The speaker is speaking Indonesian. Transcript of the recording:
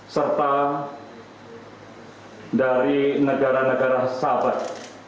serta dari negara negara sahabat